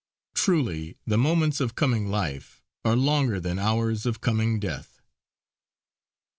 Truly, the moments of coming Life are longer than hours of coming Death.